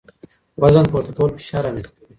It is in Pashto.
وزن پورته کول فشار رامنځ ته کوي.